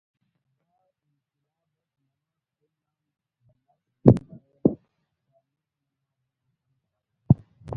ہرا انقلاب اٹ ننا کُل آن بھلا سلہہ مریرہ چارمیکو ننا ادب و فن چاگڑد